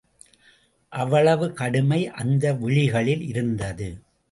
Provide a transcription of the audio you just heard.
அவ்வளவு கடுமை அந்த விழிகளில் இருந்தது.